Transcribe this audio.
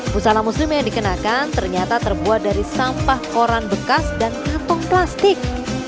busana muslim yang dikenakan ternyata terbuat dari sampah koran bekas dan kantong plastik